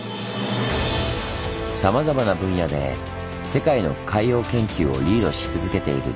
さまざまな分野で世界の海洋研究をリードし続けているＪＡＭＳＴＥＣ。